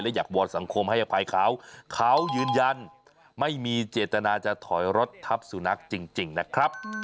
และอยากวอนสังคมให้อภัยเขาเขายืนยันไม่มีเจตนาจะถอยรถทับสุนัขจริงนะครับ